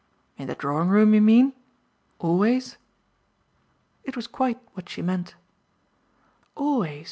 "In the drawing room, you mean always?" It was quite what she meant. "Always.